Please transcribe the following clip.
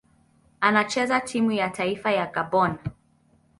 Anachezea timu ya taifa ya Gabon.